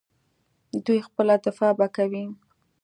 دوی خپله دفاع به کوي.